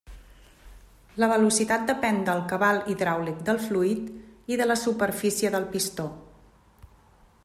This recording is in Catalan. La velocitat depèn del cabal hidràulic del fluid i de la superfície del pistó.